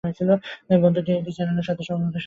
বন্দরটি একটি চ্যানেলের দ্বার সমুদ্রের সঙ্গে যুক্ত।